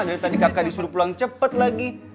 dari tadi kakak disuruh pulang cepat lagi